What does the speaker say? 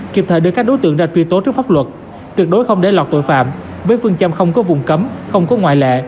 kịp thời đưa các đối tượng ra truy tố trước pháp luật tuyệt đối không để lọt tội phạm với phương châm không có vùng cấm không có ngoại lệ